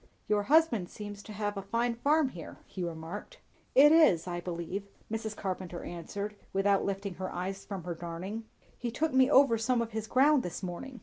"Your husband seems to have a fine farm here," he remarked. "It is, I believe," Mrs. Carpenter answered, without lifting her eyes from her darning. "He took me over some of his ground this morning.